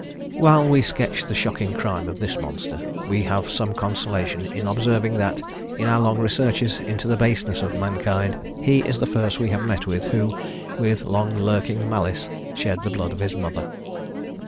While we sketch the shocking crime of this monster, we have some consolation in observing that, in our long researches into the baseness of mankind, he is the first we have met with, who, with long lurking malice, shed the blood of his mother.